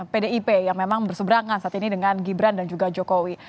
pdip yang memang berseberangan saat ini dengan gibran dan juga jokowi